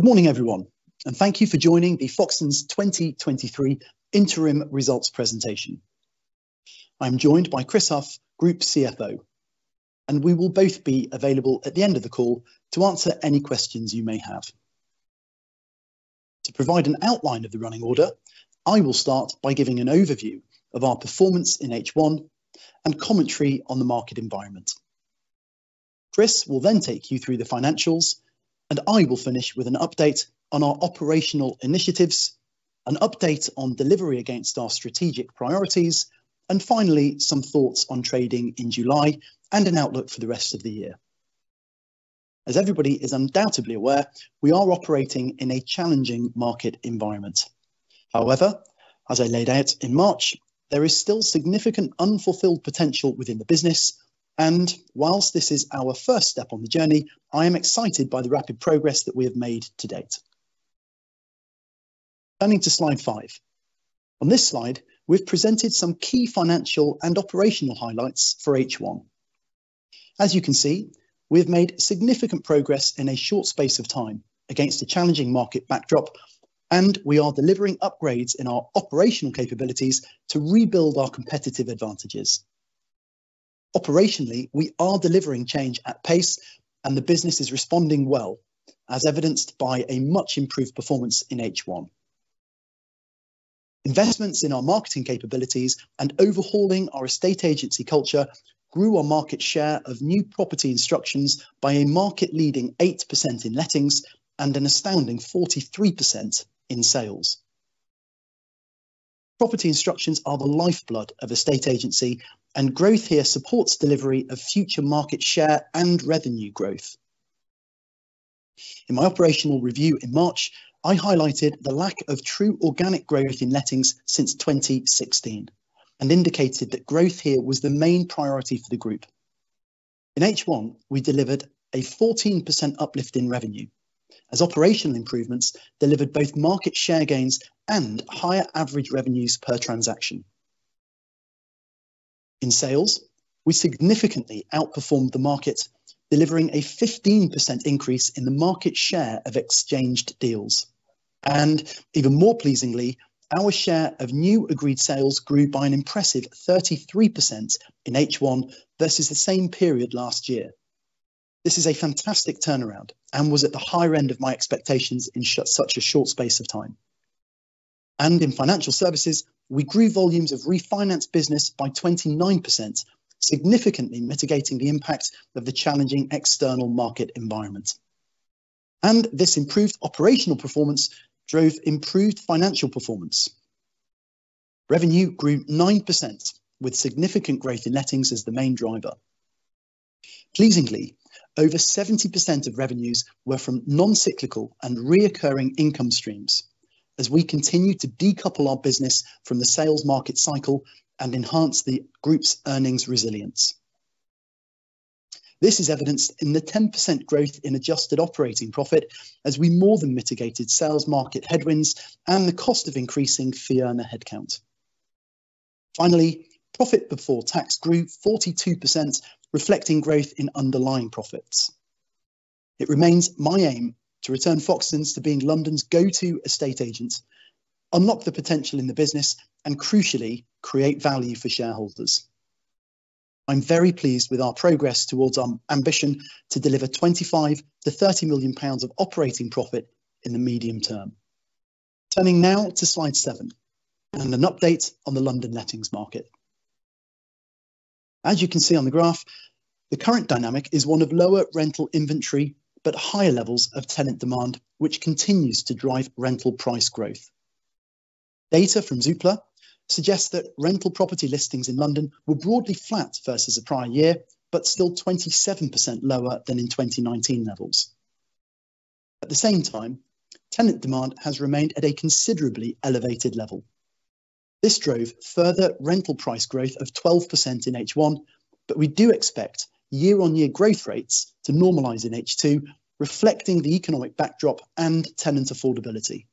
Good morning, everyone, thank you for joining the Foxtons 2023 Interim Results Presentation. I'm joined by Chris Hough, Group CFO, and we will both be available at the end of the call to answer any questions you may have. To provide an outline of the running order, I will start by giving an overview of our performance in H1 and commentary on the market environment. Chris will then take you through the financials, and I will finish with an update on our operational initiatives, an update on delivery against our strategic priorities, and finally, some thoughts on trading in July and an outlook for the rest of the year. As everybody is undoubtedly aware, we are operating in a challenging market environment. However, as I laid out in March, there is still significant unfulfilled potential within the business, and whilst this is our first step on the journey, I am excited by the rapid progress that we have made to date. Turning to slide five. On this slide, we've presented some key financial and operational highlights for H1. As you can see, we have made significant progress in a short space of time against a challenging market backdrop, and we are delivering upgrades in our operational capabilities to rebuild our competitive advantages. Operationally, we are delivering change at pace, and the business is responding well, as evidenced by a much-improved performance in H1. Investments in our marketing capabilities and overhauling our estate agency culture grew our market share of new property instructions by a market-leading 8% in lettings and an astounding 43% in sales. Property instructions are the lifeblood of estate agency, and growth here supports delivery of future market share and revenue growth. In my operational review in March, I highlighted the lack of true organic growth in lettings since 2016, and indicated that growth here was the main priority for the group. In H1, we delivered a 14% uplift in revenue, as operational improvements delivered both market share gains and higher average revenues per transaction. In sales, we significantly outperformed the market, delivering a 15% increase in the market share of exchanged deals. Even more pleasingly, our share of new agreed sales grew by an impressive 33% in H1 versus the same period last year. This is a fantastic turnaround and was at the higher end of my expectations in such a short space of time. In financial services, we grew volumes of refinance business by 29%, significantly mitigating the impact of the challenging external market environment. This improved operational performance drove improved financial performance. Revenue grew 9%, with significant growth in lettings as the main driver. Pleasingly, over 70% of revenues were from non-cyclical and recurring income streams as we continue to decouple our business from the sales market cycle and enhance the group's earnings resilience. This is evidenced in the 10% growth in adjusted operating profit, as we more than mitigated sales market headwinds and the cost of increasing fee earner headcount. Profit before tax grew 42%, reflecting growth in underlying profits. It remains my aim to return Foxtons to being London's go-to estate agent, unlock the potential in the business, and crucially, create value for shareholders. I'm very pleased with our progress toward our ambition to deliver 25 million-30 million pounds of operating profit in the medium term. Turning now to slide seven, an update on the London lettings market. As you can see on the graph, the current dynamic is one of lower rental inventory, but higher levels of tenant demand, which continues to drive rental price growth. Data from Zoopla suggests that rental property listings in London were broadly flat versus the prior year, still 27% lower than in 2019 levels. At the same time, tenant demand has remained at a considerably elevated level. This drove further rental price growth of 12% in H1, we do expect year-on-year growth rates to normalize in H2, reflecting the economic backdrop and tenant affordability.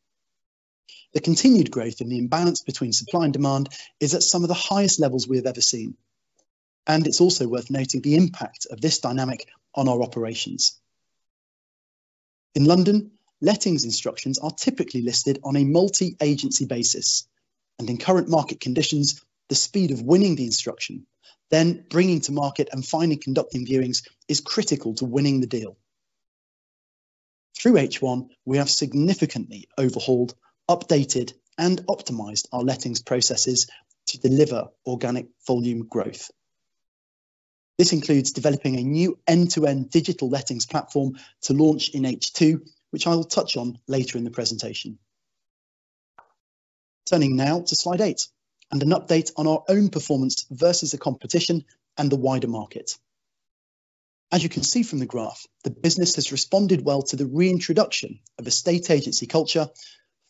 The continued growth in the imbalance between supply and demand is at some of the highest levels we have ever seen. It's also worth noting the impact of this dynamic on our operations. In London, lettings instructions are typically listed on a multi-agency basis. In current market conditions, the speed of winning the instruction, then bringing to market, and finally conducting viewings, is critical to winning the deal. Through H1, we have significantly overhauled, updated, and optimized our lettings processes to deliver organic volume growth. This includes developing a new end-to-end digital lettings platform to launch in H2, which I will touch on later in the presentation. Turning now to slide eight. An update on our own performance versus the competition and the wider market. As you can see from the graph, the business has responded well to the reintroduction of estate agency culture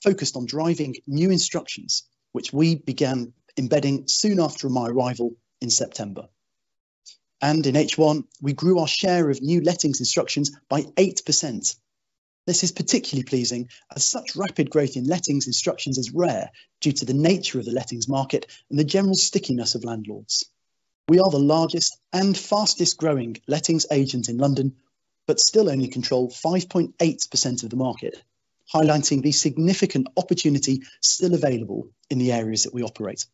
focused on driving new instructions, which we began embedding soon after my arrival in September. In H1, we grew our share of new lettings instructions by 8%. This is particularly pleasing, as such rapid growth in lettings instructions is rare due to the nature of the lettings market and the general stickiness of landlords. We are the largest and fastest-growing lettings agent in London, but still only control 5.8% of the market, highlighting the significant opportunity still available in the areas that we operate.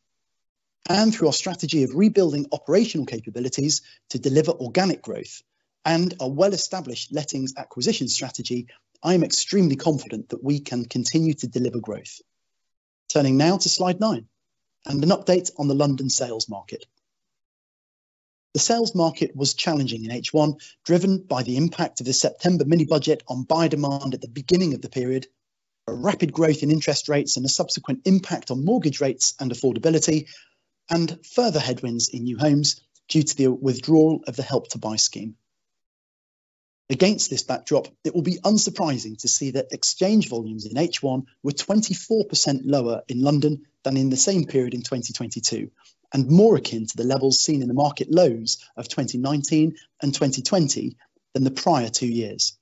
Through our strategy of rebuilding operational capabilities to deliver organic growth and a well-established lettings acquisition strategy, I am extremely confident that we can continue to deliver growth. Turning now to slide nine, and an update on the London sales market. The sales market was challenging in H1, driven by the impact of the September mini-budget on buyer demand at the beginning of the period, a rapid growth in interest rates, and the subsequent impact on mortgage rates and affordability, and further headwinds in new homes due to the withdrawal of the Help to Buy scheme. Against this backdrop, it will be unsurprising to see that exchange volumes in H1 were 24% lower in London than in the same period in 2022, and more akin to the levels seen in the market lows of 2019 and 2020 than the prior two years.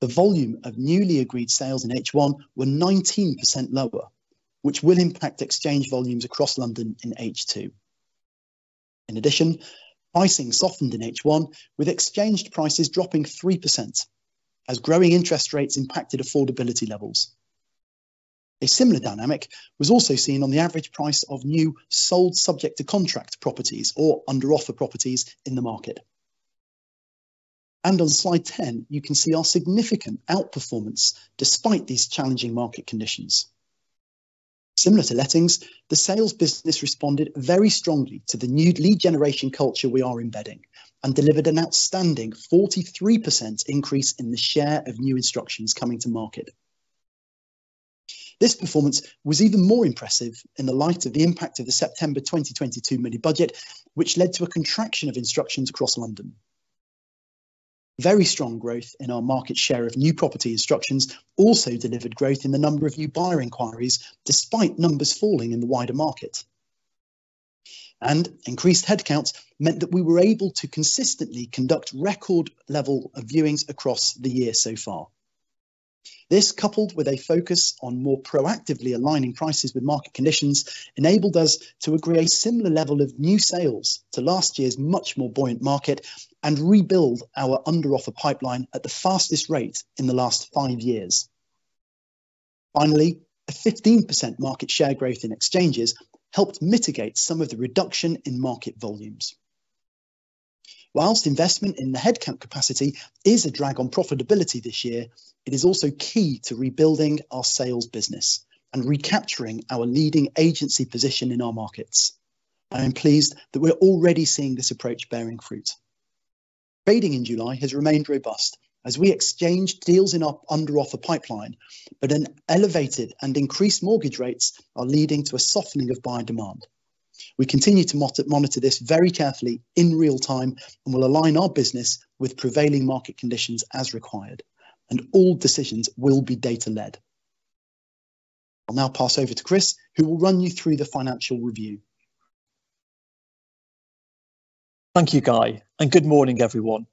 The volume of newly agreed sales in H1 were 19% lower, which will impact exchange volumes across London in H2. In addition, pricing softened in H1, with exchanged prices dropping 3% as growing interest rates impacted affordability levels. A similar dynamic was also seen on the average price of new sold subject to contract properties or under offer properties in the market. On slide 10, you can see our significant outperformance despite these challenging market conditions. Similar to lettings, the sales business responded very strongly to the new lead generation culture we are embedding and delivered an outstanding 43% increase in the share of new instructions coming to market. This performance was even more impressive in the light of the impact of the September 2022 mini-budget, which led to a contraction of instructions across London. Very strong growth in our market share of new property instructions also delivered growth in the number of new buyer inquiries, despite numbers falling in the wider market. Increased headcounts meant that we were able to consistently conduct record level of viewings across the year so far. This, coupled with a focus on more proactively aligning prices with market conditions, enabled us to agree a similar level of new sales to last year's much more buoyant market and rebuild our under-offer pipeline at the fastest rate in the last five years. A 15% market share growth in exchanges helped mitigate some of the reduction in market volumes. Investment in the headcount capacity is a drag on profitability this year, it is also key to rebuilding our sales business and recapturing our leading agency position in our markets. I am pleased that we're already seeing this approach bearing fruit. Trading in July has remained robust as we exchanged deals in our under-offer pipeline, an elevated and increased mortgage rates are leading to a softening of buyer demand. We continue to monitor this very carefully in real time and will align our business with prevailing market conditions as required, and all decisions will be data-led. I'll now pass over to Chris, who will run you through the financial review. Thank you, Guy. Good morning, everyone.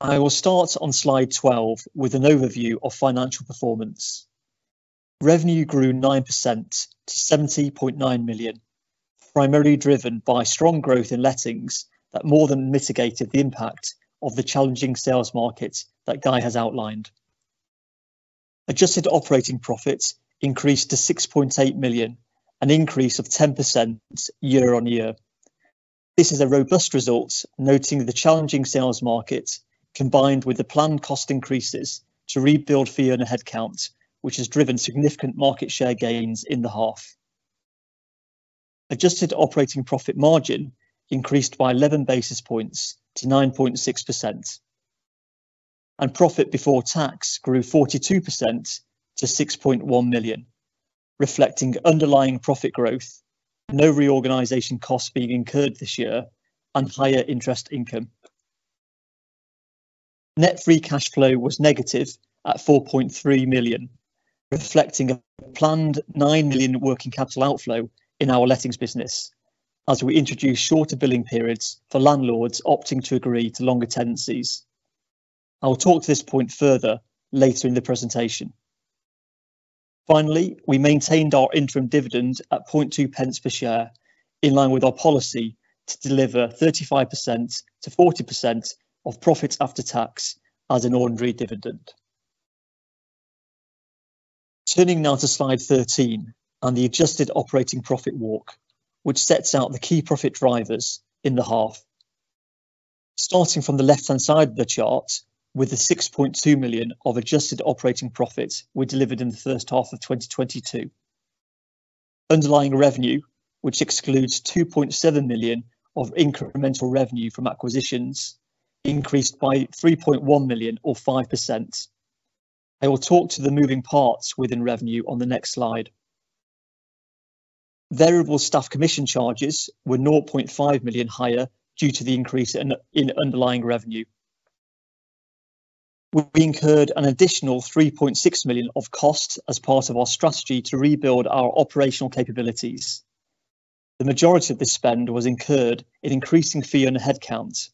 I will start on slide 12 with an overview of financial performance. Revenue grew 9% to 70.9 million, primarily driven by strong growth in lettings that more than mitigated the impact of the challenging sales market that Guy has outlined. Adjusted operating profits increased to 6.8 million, an increase of 10% year-over-year. This is a robust result, noting the challenging sales market, combined with the planned cost increases to rebuild fee and headcount, which has driven significant market share gains in the half. Adjusted operating profit margin increased by 11 basis points to 9.6%, and profit before tax grew 42% to 6.1 million, reflecting underlying profit growth, no reorganization costs being incurred this year, and higher interest income. Net free cash flow was negative at 4.3 million, reflecting a planned 9 million working capital outflow in our lettings business as we introduce shorter billing periods for landlords opting to agree to longer tenancies. I will talk to this point further later in the presentation. Finally, we maintained our interim dividend at 0.2 per share, in line with our policy to deliver 35%-40% of profits after tax as an ordinary dividend. Turning now to slide 13 on the adjusted operating profit walk, which sets out the key profit drivers in the half. Starting from the left-hand side of the chart, with the 6.2 million of adjusted operating profits we delivered in the first half of 2022. Underlying revenue, which excludes 2.7 million of incremental revenue from acquisitions, increased by 3.1 million, or 5%. I will talk to the moving parts within revenue on the next slide. Variable staff commission charges were 0.5 million higher due to the increase in underlying revenue. We incurred an additional 3.6 million of costs as part of our strategy to rebuild our operational capabilities. The majority of this spend was incurred in increasing fee and headcount,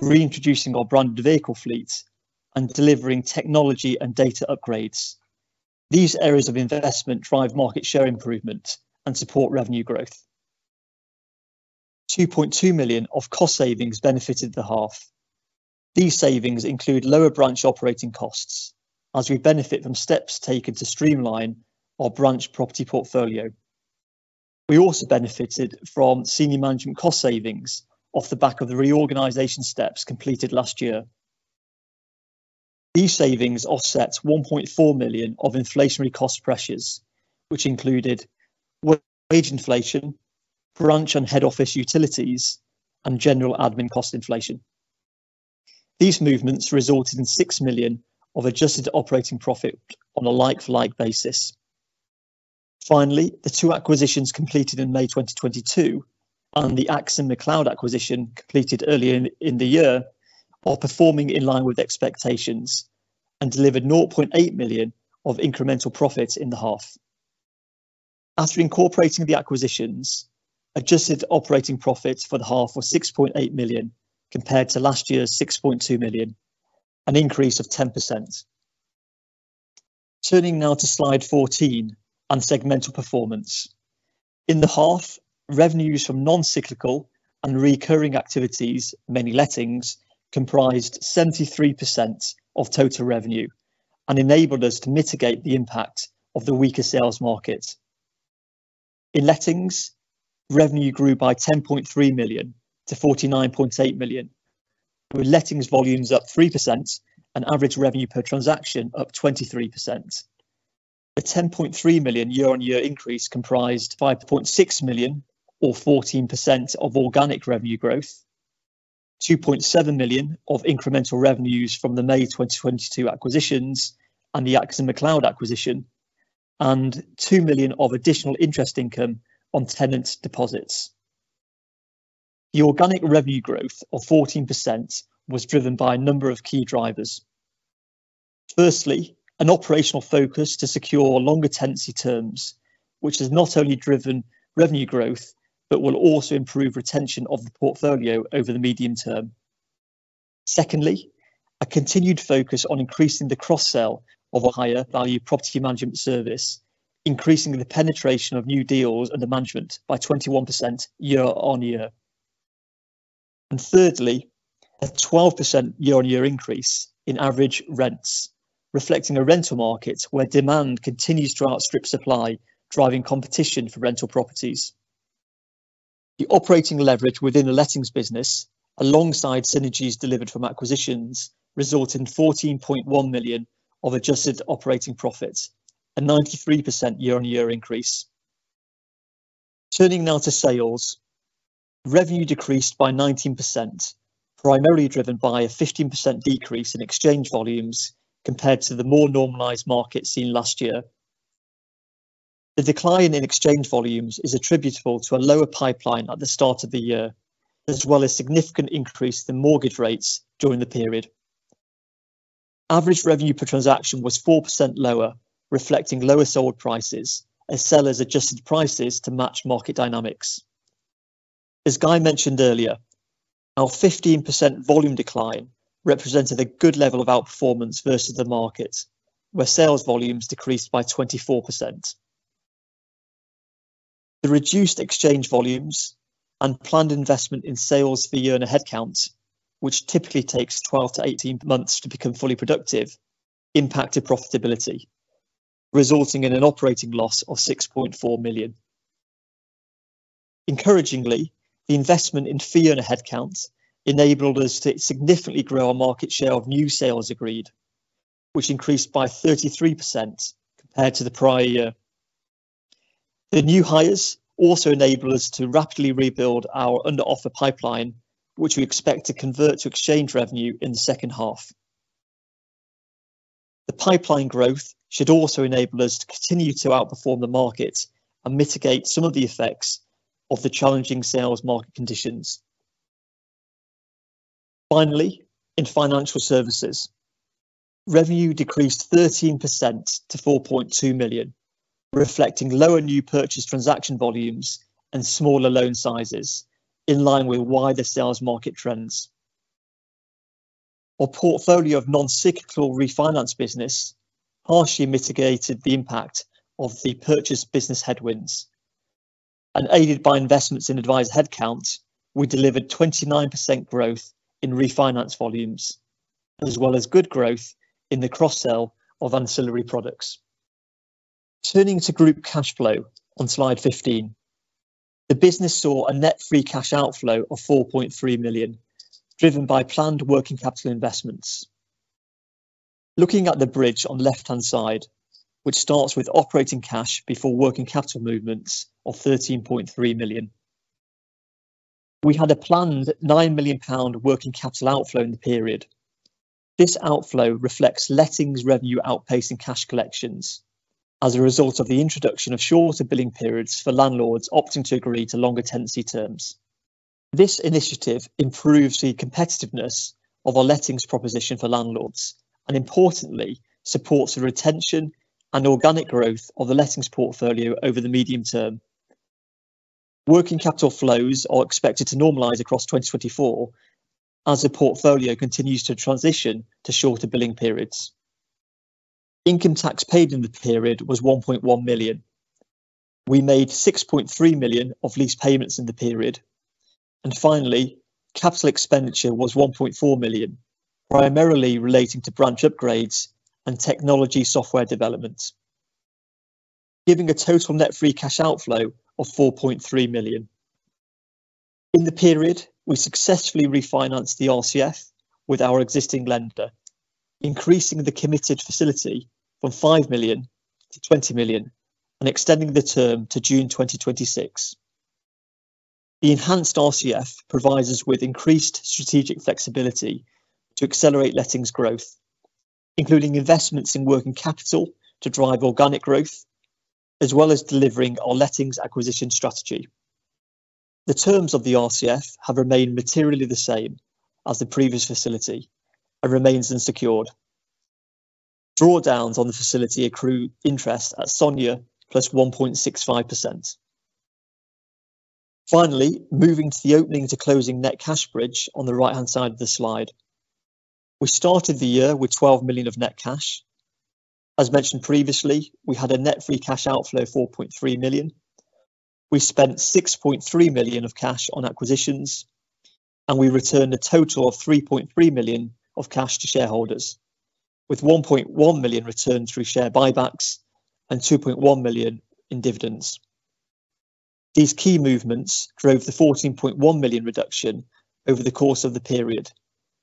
reintroducing our branded vehicle fleet, and delivering technology and data upgrades. These areas of investment drive market share improvement and support revenue growth. 2.2 million of cost savings benefited the half. These savings include lower branch operating costs, as we benefit from steps taken to streamline our branch property portfolio. We also benefited from senior management cost savings off the back of the reorganization steps completed last year. These savings offset 1.4 million of inflationary cost pressures, which included wage inflation, branch and head office utilities, and general admin cost inflation. These movements resulted in 6 million of adjusted operating profit on a like-for-like basis. The two acquisitions completed in May 2022, and the Atkinson McLeod acquisition completed earlier in the year, are performing in line with expectations and delivered 0.8 million of incremental profits in the half. After incorporating the acquisitions, adjusted operating profits for the half were 6.8 million, compared to last year's 6.2 million, an increase of 10%. Turning now to slide 14 on segmental performance. In the half, revenues from non-cyclical and recurring activities, mainly lettings, comprised 73% of total revenue and enabled us to mitigate the impact of the weaker sales market. In lettings, revenue grew by 10.3 million to 49.8 million, with lettings volumes up 3% and average revenue per transaction up 23%. The 10.3 million year-on-year increase comprised 5.6 million, or 14%, of organic revenue growth, 2.7 million of incremental revenues from the May 2022 acquisitions and the Atkinson McLeod acquisition, and 2 million of additional interest income on tenants' deposits. The organic revenue growth of 14% was driven by a number of key drivers. Firstly, an operational focus to secure longer tenancy terms, which has not only driven revenue growth, but will also improve retention of the portfolio over the medium term. Secondly, a continued focus on increasing the cross-sell of a higher value property management service, increasing the penetration of new deals under management by 21% year-on-year. Thirdly, a 12% year-on-year increase in average rents, reflecting a rental market where demand continues to outstrip supply, driving competition for rental properties. The operating leverage within the lettings business, alongside synergies delivered from acquisitions, result in 14.1 million of adjusted operating profits, a 93% year-on-year increase. Turning now to sales. Revenue decreased by 19%, primarily driven by a 15% decrease in exchange volumes compared to the more normalized market seen last year. The decline in exchange volumes is attributable to a lower pipeline at the start of the year, as well as significant increase in mortgage rates during the period. Average revenue per transaction was 4% lower, reflecting lower sold prices, as sellers adjusted prices to match market dynamics. As Guy mentioned earlier, our 15% volume decline represented a good level of outperformance versus the market, where sales volumes decreased by 24%. The reduced exchange volumes and planned investment in sales fee earner headcount, which typically takes 12 to 18 months to become fully productive, impacted profitability, resulting in an operating loss of 6.4 million. Encouragingly, the investment in fee earner headcount enabled us to significantly grow our market share of new sales agreed, which increased by 33% compared to the prior year. The new hires also enable us to rapidly rebuild our under-offer pipeline, which we expect to convert to exchange revenue in the second half. The pipeline growth should also enable us to continue to outperform the market and mitigate some of the effects of the challenging sales market conditions. Finally, in financial services, revenue decreased 13% to 4.2 million, reflecting lower new purchase transaction volumes and smaller loan sizes in line with wider sales market trends. Our portfolio of non-cyclical refinance business partially mitigated the impact of the purchase business headwinds. Aided by investments in advisor headcount, we delivered 29% growth in refinance volumes, as well as good growth in the cross-sell of ancillary products. Turning to group cash flow on slide 15, the business saw a net free cash outflow of 4.3 million, driven by planned working capital investments. Looking at the bridge on left-hand side, which starts with operating cash before working capital movements of 13.3 million, we had a planned 9 million pound working capital outflow in the period. This outflow reflects lettings revenue outpacing cash collections as a result of the introduction of shorter billing periods for landlords opting to agree to longer tenancy terms. This initiative improves the competitiveness of our lettings proposition for landlords, and importantly, supports the retention and organic growth of the lettings portfolio over the medium term. Working capital flows are expected to normalize across 2024, as the portfolio continues to transition to shorter billing periods. Income tax paid in the period was 1.1 million. We made 6.3 million of lease payments in the period, and finally, capital expenditure was 1.4 million, primarily relating to branch upgrades and technology software developments, giving a total net free cash outflow of 4.3 million. In the period, we successfully refinanced the RCF with our existing lender, increasing the committed facility from 5 million-20 million, and extending the term to June 2026. The enhanced RCF provides us with increased strategic flexibility to accelerate lettings growth, including investments in working capital to drive organic growth, as well as delivering our lettings acquisition strategy. The terms of the RCF have remained materially the same as the previous facility and remains unsecured. Drawdowns on the facility accrue interest at SONIA plus 1.65%. Finally, moving to the opening to closing net cash bridge on the right-hand side of the slide, we started the year with 12 million of net cash. As mentioned previously, we had a net free cash outflow of 4.3 million. We spent 6.3 million of cash on acquisitions, and we returned a total of 3.3 million of cash to shareholders, with 1.1 million returned through share buybacks and 2.1 million in dividends. These key movements drove the 14.1 million reduction over the course of the period,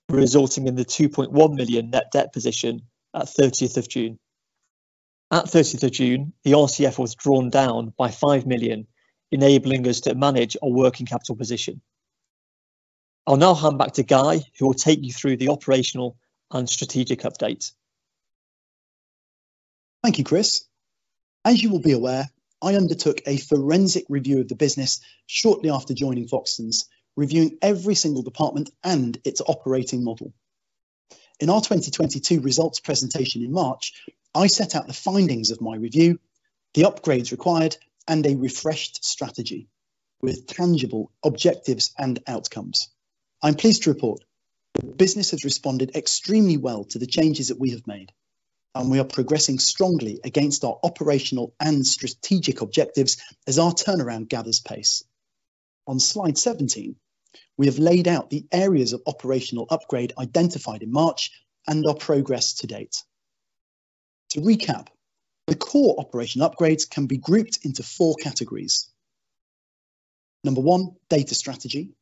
resulting in the 2.1 million net debt position at thirtieth of June. At 30th of June, the RCF was drawn down by 5 million, enabling us to manage our working capital position. I'll now hand back to Guy, who will take you through the operational and strategic update. Thank you, Chris. As you will be aware, I undertook a forensic review of the business shortly after joining Foxtons, reviewing every single department and its operating model. In our 2022 results presentation in March, I set out the findings of my review, the upgrades required, and a refreshed strategy with tangible objectives and outcomes. I'm pleased to report the business has responded extremely well to the changes that we have made. We are progressing strongly against our operational and strategic objectives as our turnaround gathers pace. On slide 17, we have laid out the areas of operational upgrade identified in March and our progress to date. To recap, the core operation upgrades can be grouped into four categories: number one, data strategy,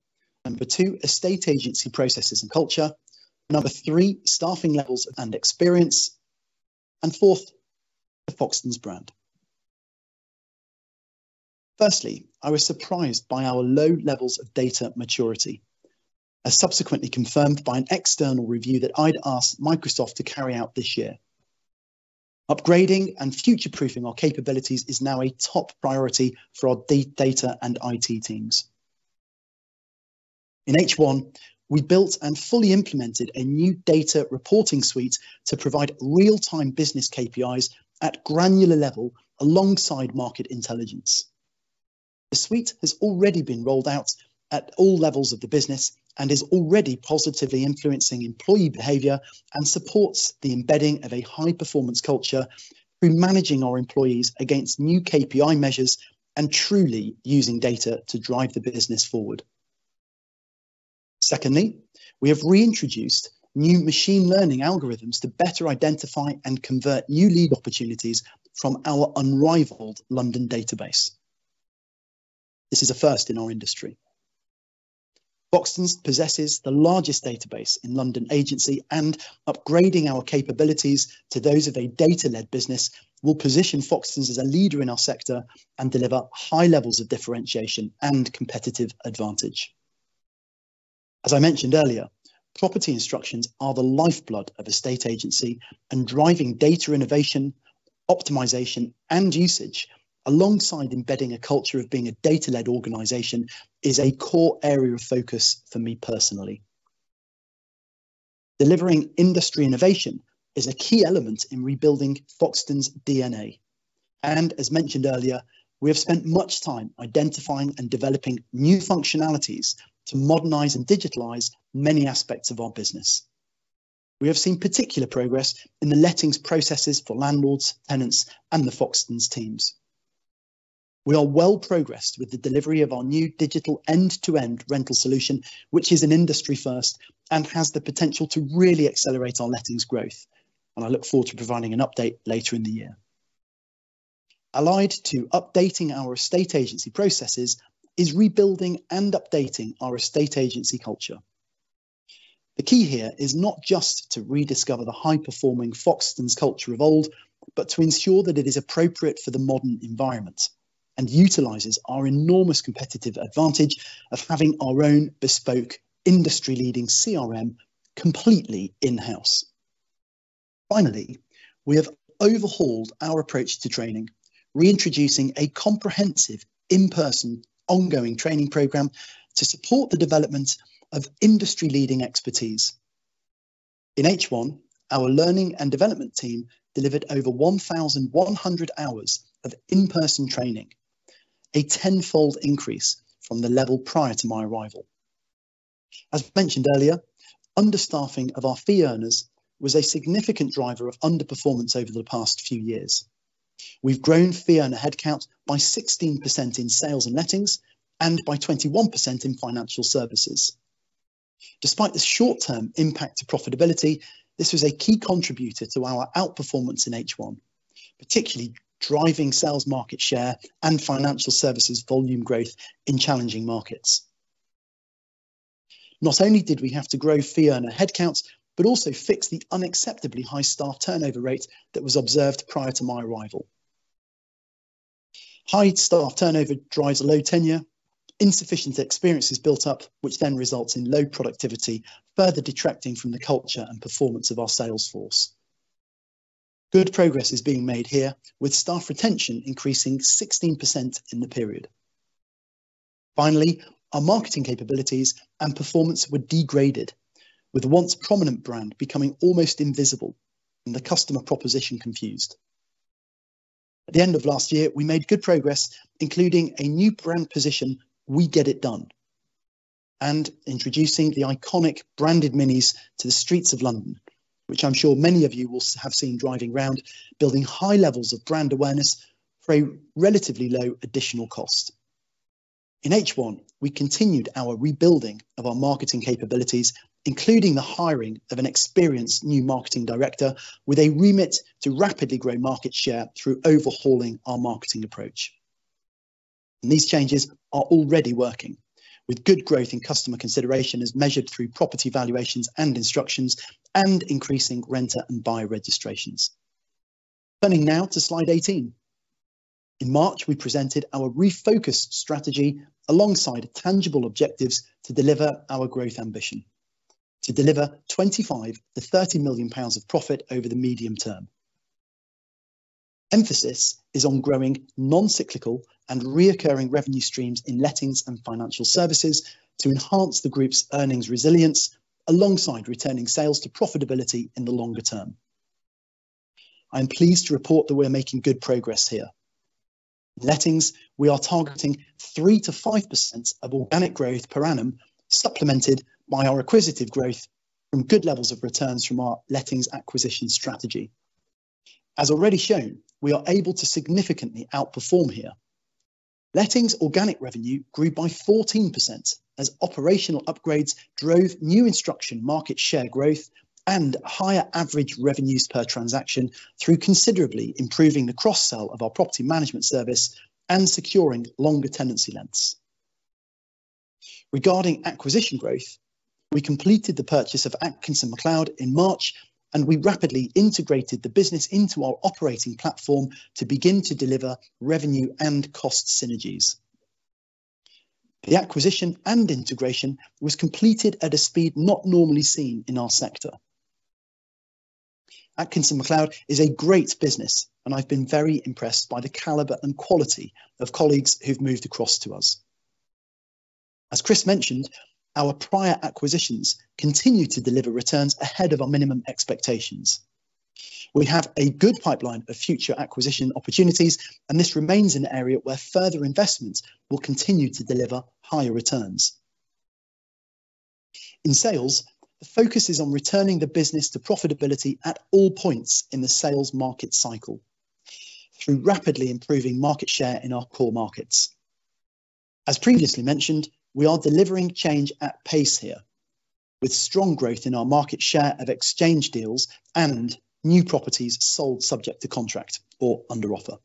number two, estate agency, processes, and culture, number three, staffing levels and experience, and fourth, the Foxtons brand. I was surprised by our low levels of data maturity, as subsequently confirmed by an external review that I'd asked Microsoft to carry out this year. Upgrading and future-proofing our capabilities is now a top priority for our data and IT teams. In H1, we built and fully implemented a new data reporting suite to provide real-time business KPIs at granular level, alongside market intelligence. The suite has already been rolled out at all levels of the business and is already positively influencing employee behavior, and supports the embedding of a high-performance culture through managing our employees against new KPI measures and truly using data to drive the business forward. We have reintroduced new machine learning algorithms to better identify and convert new lead opportunities from our unrivaled London database. This is a first in our industry. Foxtons possesses the largest database in London agency, and upgrading our capabilities to those of a data-led business will position Foxtons as a leader in our sector and deliver high levels of differentiation and competitive advantage. As I mentioned earlier, property instructions are the lifeblood of estate agency, and driving data innovation, optimization, and usage, alongside embedding a culture of being a data-led organization, is a core area of focus for me personally. Delivering industry innovation is a key element in rebuilding Foxtons' DNA. As mentioned earlier, we have spent much time identifying and developing new functionalities to modernize and digitalize many aspects of our business. We have seen particular progress in the lettings processes for landlords, tenants, and the Foxtons teams. We are well progressed with the delivery of our new digital end-to-end rental solution, which is an industry first and has the potential to really accelerate our lettings growth. I look forward to providing an update later in the year. Allied to updating our estate agency processes is rebuilding and updating our estate agency culture. The key here is not just to rediscover the high-performing Foxtons culture of old, but to ensure that it is appropriate for the modern environment and utilizes our enormous competitive advantage of having our own bespoke, industry-leading CRM completely in-house. Finally, we have overhauled our approach to training, reintroducing a comprehensive, in-person, ongoing training program to support the development of industry-leading expertise. In H1, our learning and development team delivered over 1,100 hours of in-person training, a tenfold increase from the level prior to my arrival. As mentioned earlier, understaffing of our fee earners was a significant driver of underperformance over the past few years. We've grown fee earner headcount by 16% in sales and lettings, and by 21% in financial services. Despite the short-term impact to profitability, this was a key contributor to our outperformance in H1, particularly driving sales market share and financial services volume growth in challenging markets. Not only did we have to grow fee earner headcounts, but also fix the unacceptably high staff turnover rate that was observed prior to my arrival. High staff turnover drives low tenure, insufficient experience is built up, which then results in low productivity, further detracting from the culture and performance of our sales force. Good progress is being made here, with staff retention increasing 16% in the period. Our marketing capabilities and performance were degraded, with a once prominent brand becoming almost invisible and the customer proposition confused. At the end of last year, we made good progress, including a new brand position, We Get It Done, and introducing the iconic branded Minis to the streets of London, which I'm sure many of you will have seen driving round, building high levels of brand awareness for a relatively low additional cost. In H1, we continued our rebuilding of our marketing capabilities, including the hiring of an experienced new marketing director, with a remit to rapidly grow market share through overhauling our marketing approach. These changes are already working, with good growth in customer consideration as measured through property valuations and instructions, and increasing renter and buyer registrations. Turning now to slide 18. In March, we presented our refocused strategy alongside tangible objectives to deliver our growth ambition, to deliver 25 million-30 million pounds of profit over the medium term. Emphasis is on growing non-cyclical and recurring revenue streams in lettings and financial services to enhance the group's earnings resilience, alongside returning sales to profitability in the longer term. I am pleased to report that we are making good progress here. Lettings, we are targeting 3%-5% of organic growth per annum, supplemented by our acquisitive growth from good levels of returns from our lettings acquisition strategy. As already shown, we are able to significantly outperform here. Lettings organic revenue grew by 14% as operational upgrades drove new instruction, market share growth, and higher average revenues per transaction through considerably improving the cross-sell of our property management service and securing longer tenancy lengths. Regarding acquisition growth, we completed the purchase of Atkinson McLeod in March, and we rapidly integrated the business into our operating platform to begin to deliver revenue and cost synergies. The acquisition and integration was completed at a speed not normally seen in our sector. Atkinson McLeod is a great business, and I've been very impressed by the caliber and quality of colleagues who've moved across to us. As Chris mentioned, our prior acquisitions continue to deliver returns ahead of our minimum expectations. We have a good pipeline of future acquisition opportunities, and this remains an area where further investments will continue to deliver higher returns. In sales, the focus is on returning the business to profitability at all points in the sales market cycle through rapidly improving market share in our core markets. As previously mentioned, we are delivering change at pace here, with strong growth in our market share of exchange deals and new properties sold subject to contract or under offer.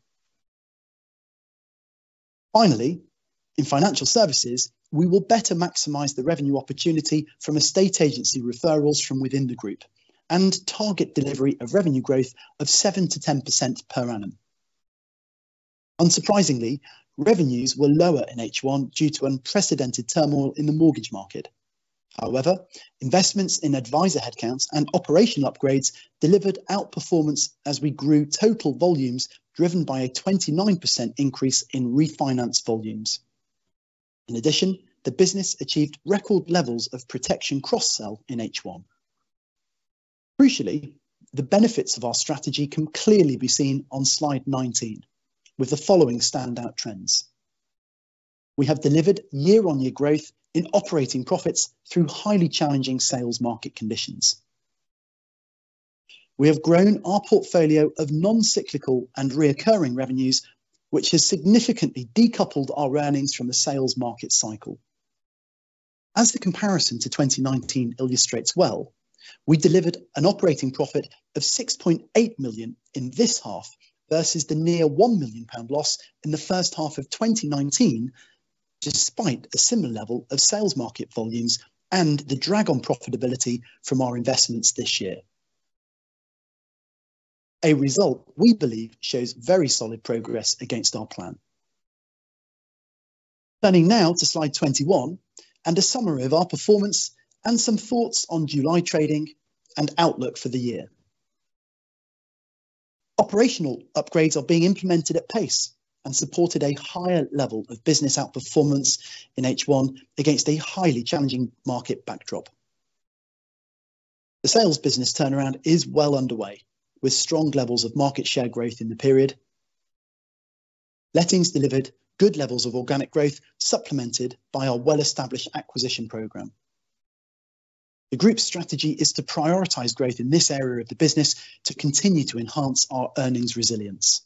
In financial services, we will better maximize the revenue opportunity from estate agency referrals from within the group, and target delivery of revenue growth of 7%-10% per annum. Unsurprisingly, revenues were lower in H1 due to unprecedented turmoil in the mortgage market. Investments in advisor headcounts and operational upgrades delivered outperformance as we grew total volumes, driven by a 29% increase in refinance volumes. The business achieved record levels of protection cross-sell in H1. The benefits of our strategy can clearly be seen on slide 19, with the following standout trends. We have delivered year-on-year growth in operating profits through highly challenging sales market conditions. We have grown our portfolio of non-cyclical and reoccurring revenues, which has significantly decoupled our earnings from the sales market cycle. As the comparison to 2019 illustrates well, we delivered an operating profit of 6.8 million in this half, versus the near 1 million pound loss in the first half of 2019, despite a similar level of sales market volumes and the drag on profitability from our investments this year. A result we believe shows very solid progress against our plan. Turning now to slide 21, and a summary of our performance and some thoughts on July trading and outlook for the year. Operational upgrades are being implemented at pace and supported a higher level of business outperformance in H1 against a highly challenging market backdrop. The sales business turnaround is well underway, with strong levels of market share growth in the period. Lettings delivered good levels of organic growth, supplemented by our well-established acquisition program. The group's strategy is to prioritize growth in this area of the business to continue to enhance our earnings resilience.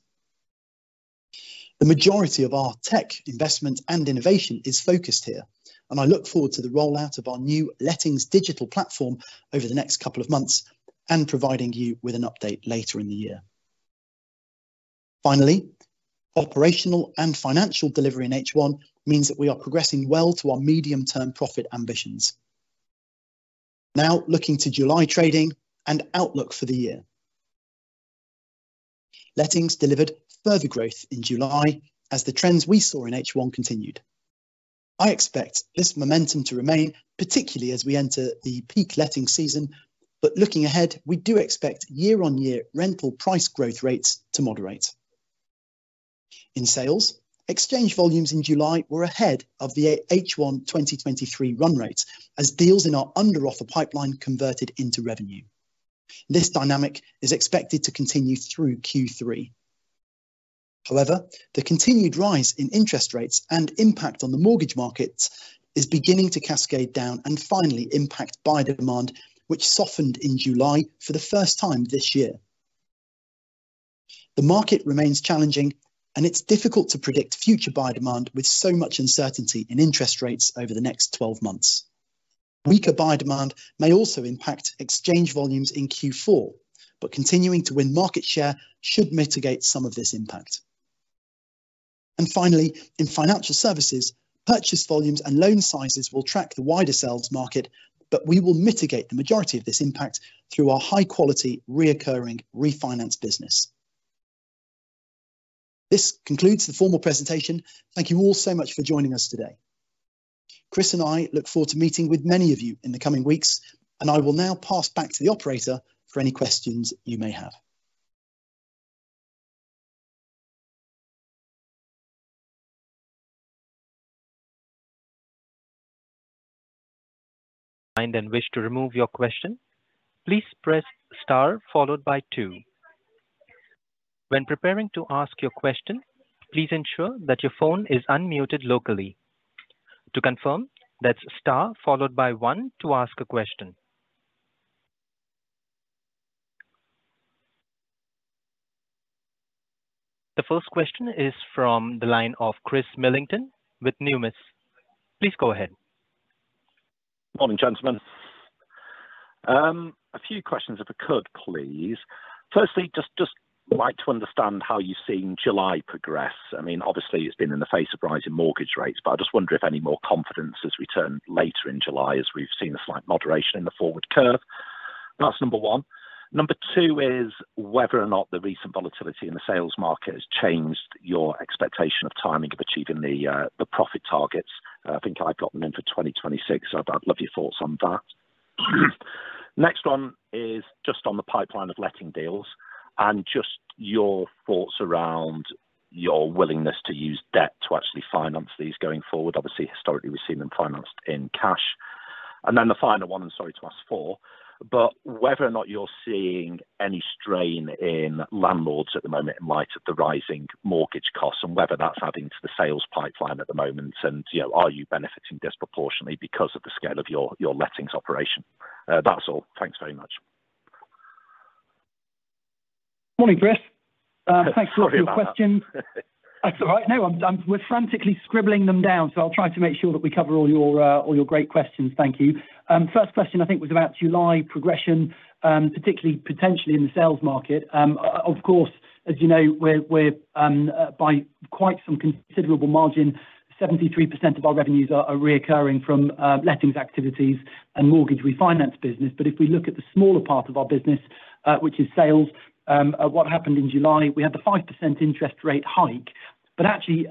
The majority of our tech investment and innovation is focused here, and I look forward to the rollout of our new Lettings digital platform over the next couple of months, and providing you with an update later in the year. Finally, operational and financial delivery in H1 means that we are progressing well to our medium-term profit ambitions. Looking to July trading and outlook for the year. Lettings delivered further growth in July as the trends we saw in H1 continued. I expect this momentum to remain, particularly as we enter the peak letting season, but looking ahead, we do expect year-on-year rental price growth rates to moderate. In sales, exchange volumes in July were ahead of the H1 2023 run rate, as deals in our under-offer pipeline converted into revenue. This dynamic is expected to continue through Q3. However, the continued rise in interest rates and impact on the mortgage markets is beginning to cascade down and finally impact buyer demand, which softened in July for the first time this year. The market remains challenging, and it's difficult to predict future buyer demand with so much uncertainty in interest rates over the next 12 months. Weaker buyer demand may also impact exchange volumes in Q4, but continuing to win market share should mitigate some of this impact. In financial services, purchase volumes and loan sizes will track the wider sales market, but we will mitigate the majority of this impact through our high-quality, reoccurring refinance business. This concludes the formal presentation. Thank you all so much for joining us today. Chris and I look forward to meeting with many of you in the coming weeks. I will now pass back to the operator for any questions you may have. and wish to remove your question, please press star followed by two. When preparing to ask your question, please ensure that your phone is unmuted locally. To confirm, that's star followed by one to ask a question. The first question is from the line of Chris Millington with Numis. Please go ahead. Morning, gentlemen. A few questions, if I could, please. Firstly, just like to understand how you're seeing July progress. I mean, obviously, it's been in the face of rising mortgage rates, I just wonder if any more confidence has returned later in July, as we've seen a slight moderation in the forward curve. That's number one. Number two is whether or not the recent volatility in the sales market has changed your expectation of timing of achieving the profit targets. I think I've got them in for 2026, so I'd love your thoughts on that. Next one is just on the pipeline of letting deals, just your thoughts around your willingness to use debt to actually finance these going forward. Obviously, historically, we've seen them financed in cash. The final one, I'm sorry to ask four, whether or not you're seeing any strain in landlords at the moment in light of the rising mortgage costs, and whether that's adding to the sales pipeline at the moment, and, you know, are you benefiting disproportionately because of the scale of your lettings operation? That's all. Thanks very much. Morning, Chris. Sorry about that. Thanks a lot for your questions. That's all right. No, I'm, we're frantically scribbling them down, so I'll try to make sure that we cover all your great questions. Thank you. First question, I think, was about July progression, particularly potentially in the sales market. Of course, as you know, we're by quite some considerable margin, 73% of our revenues are reoccurring from lettings activities and mortgage refinance business. If we look at the smaller part of our business, which is sales, what happened in July, we had the 5% interest rate hike. Actually,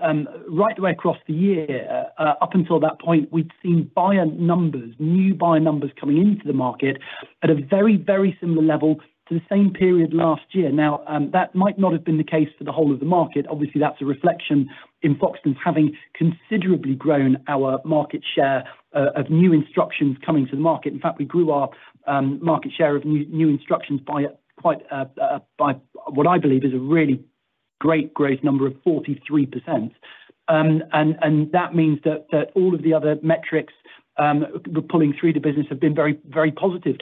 right the way across the year, up until that point, we'd seen buyer numbers, new buyer numbers coming into the market at a very, very similar level to the same period last year. That might not have been the case for the whole of the market. Obviously, that's a reflection in Foxtons having considerably grown our market share of new instructions coming to the market. In fact, we grew our market share of new instructions by what I believe is a really great growth number of 43%. That means that all of the other metrics pulling through the business have been very, very positive,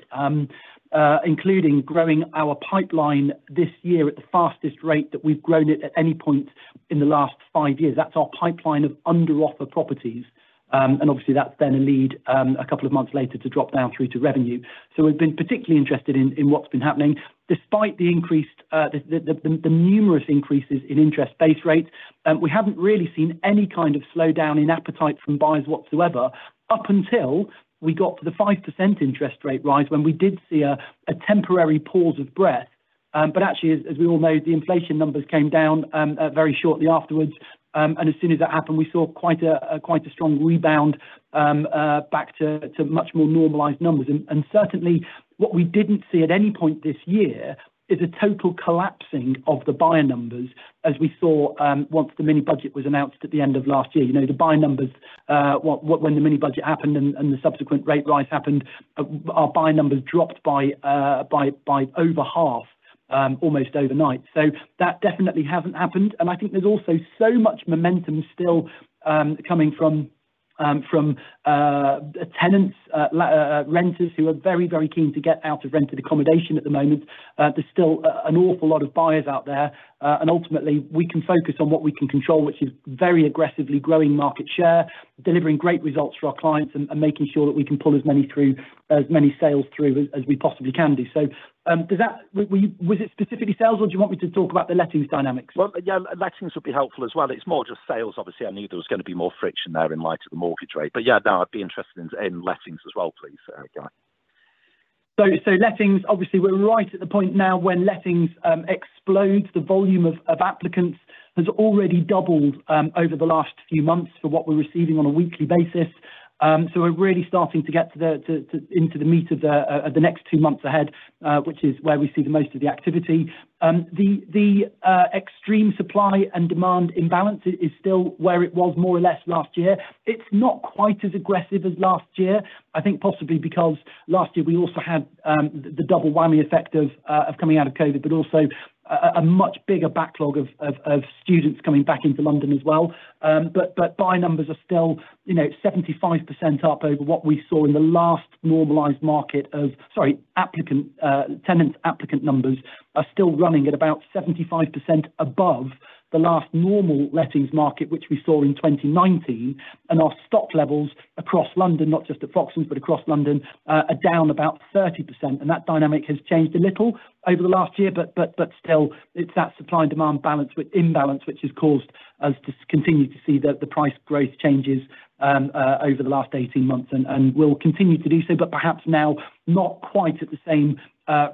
including growing our pipeline this year at the fastest rate that we've grown it at any point in the last five years. That's our pipeline of under-offer properties. Obviously, that's then a lead a couple of months later to drop down through to revenue. We've been particularly interested in what's been happening. Despite the increased the numerous increases in interest base rates, we haven't really seen any kind of slowdown in appetite from buyers whatsoever, up until we got to the 5% interest rate rise, when we did see a temporary pause of breath. Actually, as we all know, the inflation numbers came down very shortly afterwards. As soon as that happened, we saw quite a strong rebound back to much more normalized numbers. Certainly, what we didn't see at any point this year is a total collapsing of the buyer numbers, as we saw once the mini-budget was announced at the end of last year. You know, the buyer numbers, when the mini-budget happened and the subsequent rate rise happened, our buyer numbers dropped by over half almost overnight. That definitely hasn't happened, and I think there's also so much momentum still, coming from tenants renters who are very, very keen to get out of rented accommodation at the moment. There's still an awful lot of buyers out there. Ultimately, we can focus on what we can control, which is very aggressively growing market share, delivering great results for our clients, and making sure that we can pull as many sales through as we possibly can do. Does that was it specifically sales, or do you want me to talk about the lettings dynamics? Well, yeah, lettings would be helpful as well. It's more just sales, obviously. I knew there was gonna be more friction there in light of the mortgage rate. Yeah, no, I'd be interested in lettings as well, please, Guy. Lettings, obviously, we're right at the point now when lettings explodes. The volume of applicants has already doubled over the last few months for what we're receiving on a weekly basis. We're really starting to get into the meat of the next two months ahead, which is where we see the most of the activity. The extreme supply and demand imbalance is still where it was more or less last year. It's not quite as aggressive as last year. I think possibly because last year we also had the double whammy effect of coming out of COVID, but also a much bigger backlog of students coming back into London as well. But buyer numbers are still, you know, 75% up over what we saw in the last normalized market. Sorry, applicant, tenants applicant numbers are still running at about 75% above the last normal lettings market, which we saw in 2019, and our stock levels across London, not just at Foxtons, but across London, are down about 30%, and that dynamic has changed a little over the last year, but still, it's that supply and demand balance with imbalance, which has caused us to continue to see the price growth changes over the last 18 months and will continue to do so, but perhaps now, not quite at the same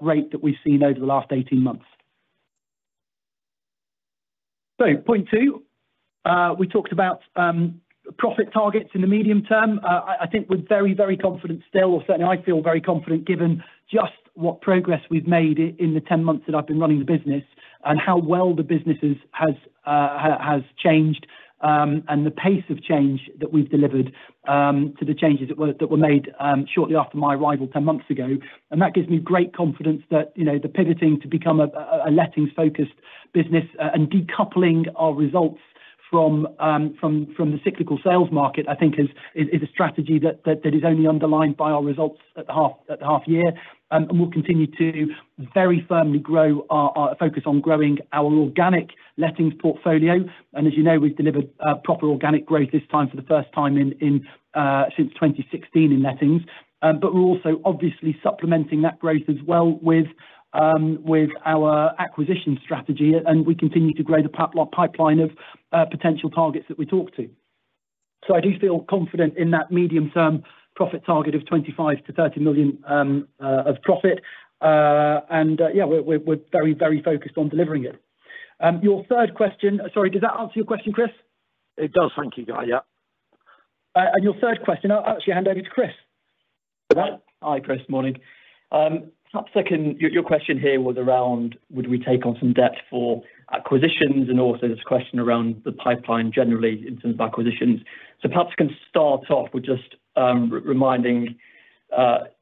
rate that we've seen over the last 18 months. Point two, we talked about profit targets in the medium term. I think we're very, very confident still, or certainly I feel very confident, given just what progress we've made in the ten months that I've been running the business, and how well the business has changed, and the pace of change that we've delivered, to the changes that were made shortly after my arrival ten months ago. That gives me great confidence that, you know, the pivoting to become a lettings-focused business, and decoupling our results from the cyclical sales market, I think is a strategy that is only underlined by our results at the half year. We'll continue to very firmly grow our focus on growing our organic lettings portfolio. As you know, we've delivered proper organic growth this time for the first time in 2016 in lettings. We're also obviously supplementing that growth as well with our acquisition strategy, and we continue to grow the pipeline of potential targets that we talk to. I do feel confident in that medium-term profit target of 25 million-30 million of profit. Yeah, we're very focused on delivering it. Your third question... Sorry, does that answer your question, Chris? It does. Thank you, Guy. Yeah. Your third question, I'll actually hand over to Chris. Hi, Chris, morning. Perhaps I can, your question here was around, would we take on some debt for acquisitions? Also, there's a question around the pipeline, generally in terms of acquisitions. Perhaps I can start off with just reminding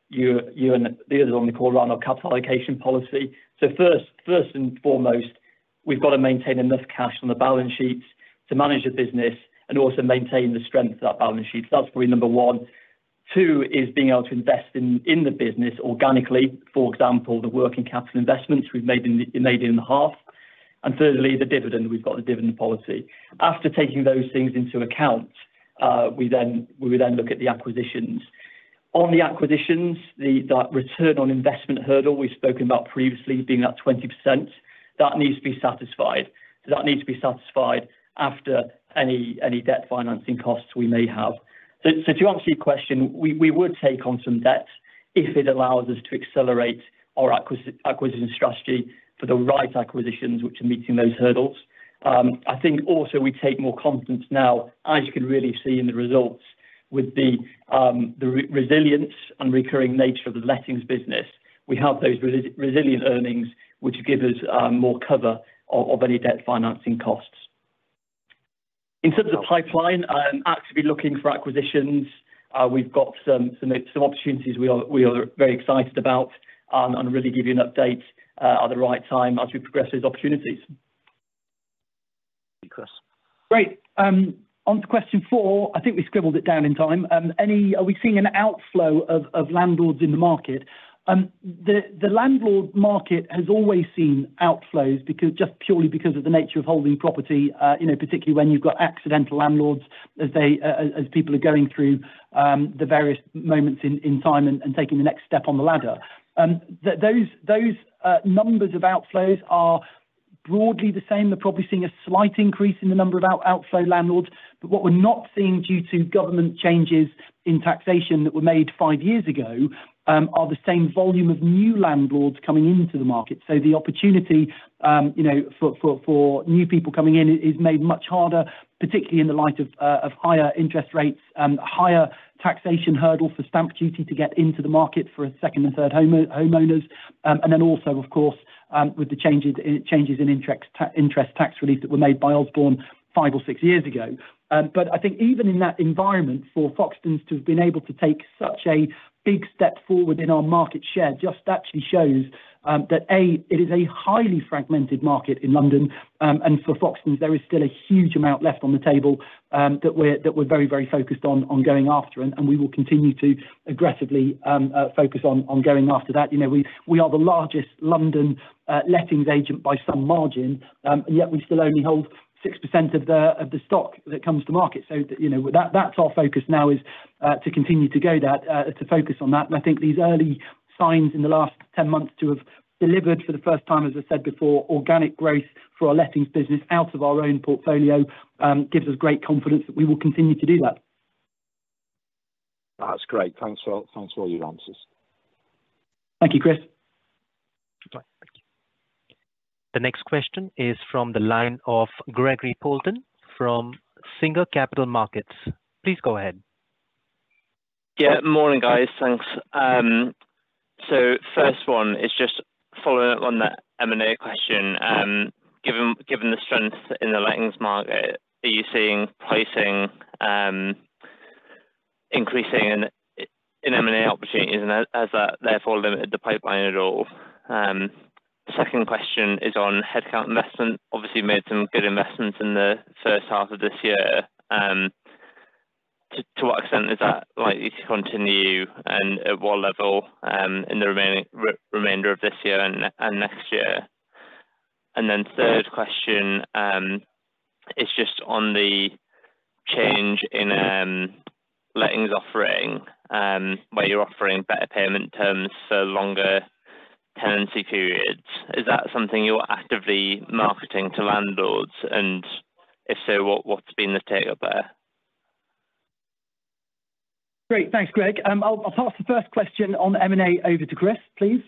you and the others on the call around our capital allocation policy. First and foremost, we've got to maintain enough cash on the balance sheet to manage the business and also maintain the strength of that balance sheet. That's probably number one. Two, is being able to invest in the business organically. For example, the working capital investments we've made in the half, and thirdly, the dividend, we've got the dividend policy. After taking those things into account, we would then look at the acquisitions. On the acquisitions, that return on investment hurdle we've spoken about previously being at 20%, that needs to be satisfied. That needs to be satisfied after any debt financing costs we may have. To answer your question, we would take on some debt if it allows us to accelerate our acquisition strategy for the right acquisitions, which are meeting those hurdles. I think also we take more confidence now, as you can really see in the results, with the resilience and recurring nature of the lettings business. We have those resilient earnings, which give us more cover of any debt financing costs. In terms of pipeline, actively looking for acquisitions, we've got some opportunities we are very excited about, and really give you an update, at the right time as we progress those opportunities. Thank you, Chris. Great. Onto question four. I think we scribbled it down in time. Are we seeing an outflow of landlords in the market? The landlord market has always seen outflows because, just purely because of the nature of holding property, you know, particularly when you've got accidental landlords as people are going through the various moments in time and taking the next step on the ladder. Those numbers of outflows are broadly the same. We're probably seeing a slight increase in the number of outflow landlords, but what we're not seeing due to government changes in taxation that were made five years ago, are the same volume of new landlords coming into the market. The opportunity, you know, for new people coming in is made much harder, particularly in the light of higher interest rates, higher taxation hurdle for stamp duty to get into the market for a second and third homeowners. Then also, of course, with the changes in interest tax relief that were made by Osborne five or six years ago. I think even in that environment, for Foxtons to have been able to take such a big step forward in our market share, just actually shows that, A, it is a highly fragmented market in London, and for Foxtons, there is still a huge amount left on the table that we're very, very focused on going after, and we will continue to aggressively focus on going after that. You know, we are the largest London lettings agent by some margin, yet we still only hold 6% of the, of the stock that comes to market. You know, that's our focus now is to continue to focus on that. I think these early signs in the last 10 months to have delivered for the first time, as I said before, organic growth for our lettings business out of our own portfolio, gives us great confidence that we will continue to do that. That's great. Thanks for, thanks for all your answers. Thank you, Chris. Bye. The next question is from the line of Gregory Poulton from Singer Capital Markets. Please go ahead. Morning, guys. Thanks. First one is just following up on that M&A question. Given the strength in the lettings market, are you seeing pricing increasing in M&A opportunities, and has that therefore limited the pipeline at all? Second question is on headcount investment. Obviously, you made some good investments in H1 of this year. To what extent is that likely to continue, and at what level in the remainder of this year and next year? Third question is just on the change in lettings offering, where you're offering better payment terms for longer tenancy periods. Is that something you're actively marketing to landlords? If so, what's been the take-up there? Great. Thanks, Greg. I'll pass the first question on M&A over to Chris, please.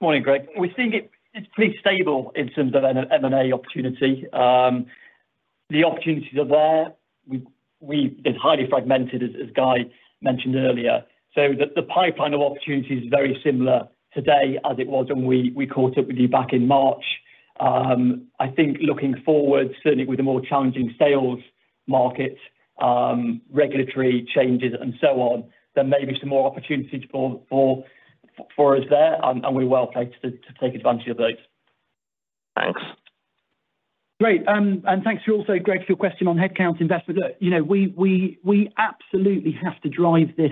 Morning, Greg. We're seeing it's pretty stable in terms of an M&A opportunity. The opportunities are there. We It's highly fragmented, as Guy mentioned earlier, so the pipeline of opportunities is very similar today as it was when we caught up with you back in March. I think looking forward, certainly with the more challenging sales market, regulatory changes, and so on, there may be some more opportunities for us there, and we're well-placed to take advantage of those. Thanks. Great. Thanks also, Greg, for your question on headcount investment. Look, you know. We absolutely have to drive this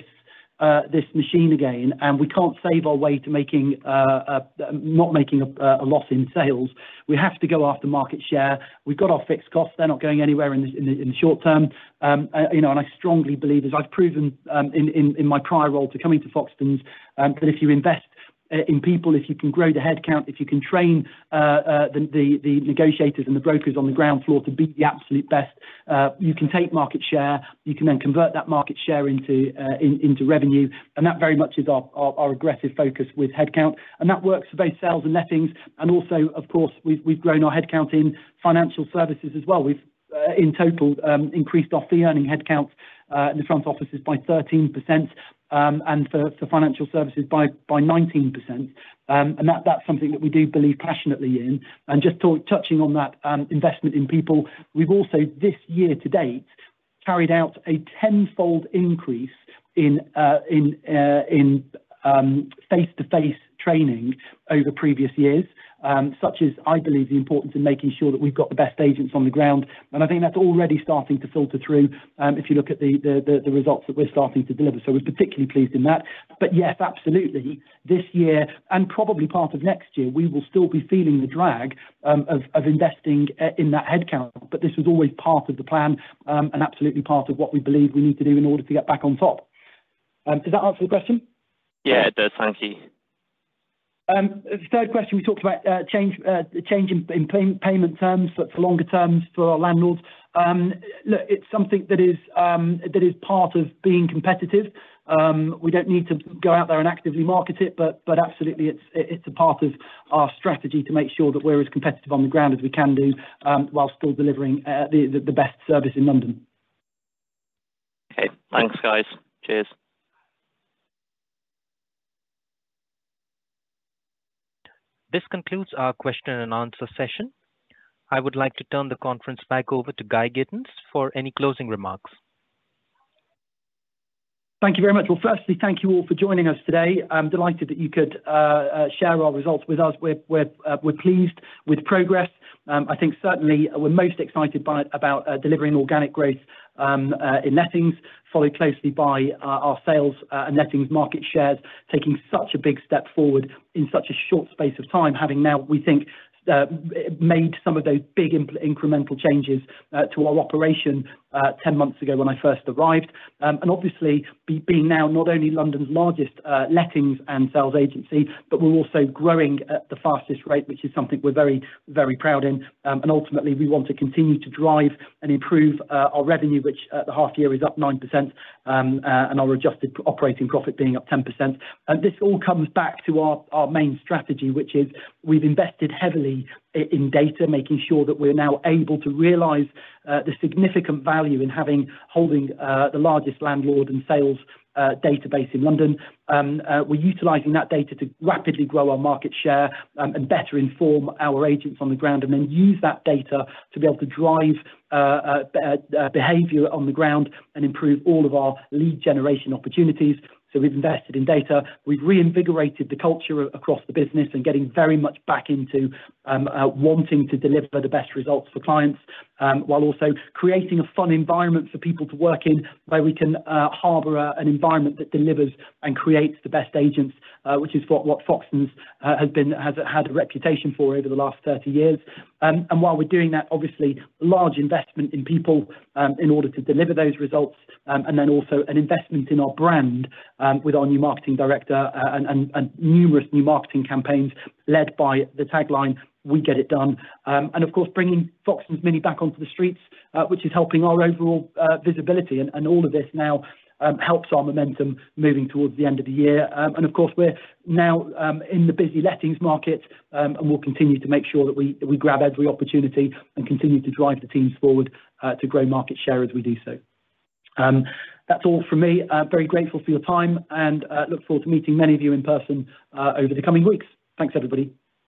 machine again. We can't save our way to making a loss in sales. We have to go after market share. We've got our fixed costs, they're not going anywhere in the short term. You know, I strongly believe, as I've proven, in my prior role to coming to Foxtons, that if you invest in people, if you can grow the headcount, if you can train the negotiators and the brokers on the ground floor to be the absolute best, you can take market share, you can then convert that market share into revenue, and that very much is our aggressive focus with headcount. That works for both sales and lettings. Also, of course, we've grown our headcount in financial services as well. We've in total increased our fee-earning headcount in the front offices by 13%, and for financial services by 19%. That's something that we do believe passionately in. Just touching on that, investment in people, we've also, this year to date, carried out a tenfold increase in face-to-face training over previous years, such as, I believe, the importance in making sure that we've got the best agents on the ground. I think that's already starting to filter through, if you look at the results that we're starting to deliver. We're particularly pleased in that. Yes, absolutely, this year, and probably part of next year, we will still be feeling the drag of investing in that headcount. This was always part of the plan, and absolutely part of what we believe we need to do in order to get back on top. Does that answer your question? Yeah, it does. Thank you. The third question, we talked about change in payment terms, so for longer terms for our landlords. Look, it's something that is that is part of being competitive. We don't need to go out there and actively market it, but absolutely, it's a part of our strategy to make sure that we're as competitive on the ground as we can do, while still delivering the best service in London. Okay. Thanks, guys. Cheers. This concludes our question and answer session. I would like to turn the conference back over to Guy Gittins for any closing remarks. Thank you very much. Well, firstly, thank you all for joining us today. I'm delighted that you could share our results with us. We're pleased with progress. I think certainly, we're most excited about delivering organic growth in lettings, followed closely by our sales and lettings market shares, taking such a big step forward in such a short space of time, having now, we think, made some of those big incremental changes to our operation 10 months ago when I first arrived. Obviously, being now not only London's largest lettings and sales agency, but we're also growing at the fastest rate, which is something we're very, very proud in. Ultimately, we want to continue to drive and improve our revenue, which at the half year is up 9% and our adjusted operating profit being up 10%. This all comes back to our main strategy, which is we've invested heavily in data, making sure that we're now able to realize the significant value in having, holding the largest landlord and sales database in London. We're utilizing that data to rapidly grow our market share and better inform our agents on the ground, and then use that data to be able to drive behavior on the ground and improve all of our lead generation opportunities. We've invested in data. We've reinvigorated the culture across the business and getting very much back into wanting to deliver the best results for clients while also creating a fun environment for people to work in, where we can harbor an environment that delivers and creates the best agents, which is what Foxtons has been, has had a reputation for over the last 30 years. While we're doing that, obviously, large investment in people in order to deliver those results, also an investment in our brand with our new marketing director and numerous new marketing campaigns led by the tagline, We Get It Done. Of course, bringing Foxtons Mini back onto the streets, which is helping our overall visibility. All of this now, helps our momentum moving towards the end of the year. Of course, we're now, in the busy lettings market, and we'll continue to make sure that we grab every opportunity and continue to drive the teams forward, to grow market share as we do so. That's all from me. I'm very grateful for your time, and look forward to meeting many of you in person, over the coming weeks. Thanks, everybody.